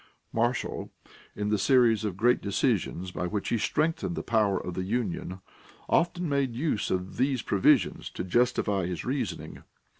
Marshall, in the series of great decisions by which he strengthened the power of the Union, often made use of these provisions to justify his reasoning.